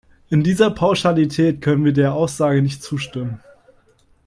In dieser Pauschalität können wir der Aussage nicht zustimmen.